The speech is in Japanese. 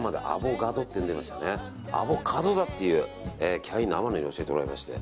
アボカドだってキャインの天野に教えてもらいまして。